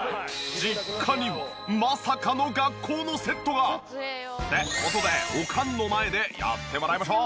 実家にはまさかの学校のセットが！って事でおかんの前でやってもらいましょう。